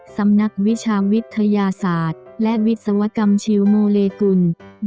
สำนักวิชาวิทยาศาสตร์และวิศวกรรมชิลโมเลกุล